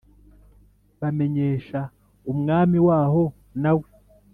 bamenyesha umwami waho nawe